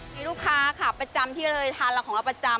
มีลูกค้าค่ะประจำที่เลยทานเราของเราประจำ